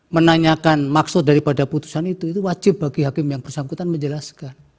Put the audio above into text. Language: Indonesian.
menanyakan maksud daripada putusan itu itu wajib bagi hakim yang bersangkutan menjelaskan